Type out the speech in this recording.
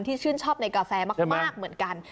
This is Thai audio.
ชื่นชอบในกาแฟมากเหมือนกัน